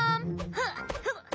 フッ！